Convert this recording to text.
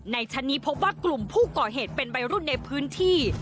ชั้นนี้พบว่ากลุ่มผู้ก่อเหตุเป็นวัยรุ่นในพื้นที่